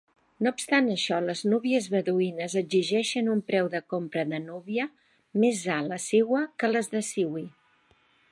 No obstant això, les núvies beduïnes exigeixen un preu de compra de núvia més alt a Siwa que les de Siwi.